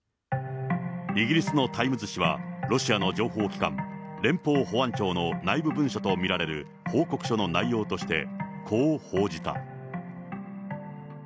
イギリスのタイムズ紙は、ロシアの情報機関、連邦保安庁の内部文書とみられる報告書の内容として、こう報じた。